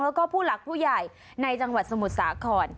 แล้วก็ผู้หลักผู้ใหญ่ในจังหวัดสมุทรสาคร